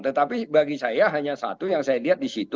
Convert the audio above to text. tetapi bagi saya hanya satu yang saya lihat di situ